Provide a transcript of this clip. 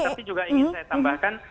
tapi juga ingin saya tambahkan